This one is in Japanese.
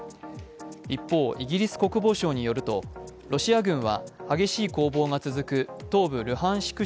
一方、イギリス国防省によるとロシア軍は激しい攻防が続く東部ルハンシク